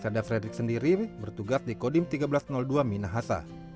carda frederick sendiri bertugas di kodim seribu tiga ratus dua minahasa